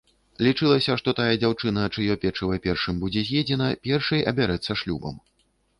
Лічылася, што тая дзяўчына, чыё печыва першым будзе з'едзена, першай абярэцца шлюбам.